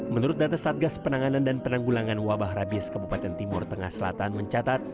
menurut data satgas penanganan dan penanggulangan wabah rabies kabupaten timur tengah selatan mencatat